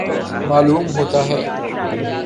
معلوم ہوتا ہے